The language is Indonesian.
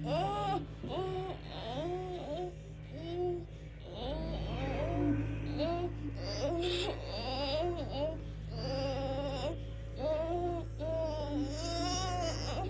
tapi mes di luar negara tidak berada di sommelier